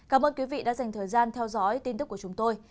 cảm ơn quý vị đã dành thời gian theo dõi tin tức của chúng tôi